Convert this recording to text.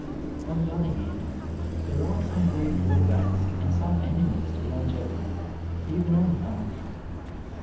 On the other hand, there are some great drawbacks and some enemies to longevity, even on the farm.